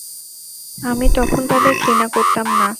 আমি তখন তাদের ঘৃণা করতাম না।